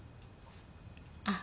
あっ。